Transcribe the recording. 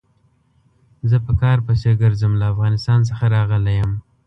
زه په کار پسې ګرځم، له افغانستان څخه راغلی يم.